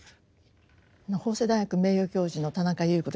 法政大学名誉教授の田中優子でございます。